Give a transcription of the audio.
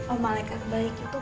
om malekat baik itu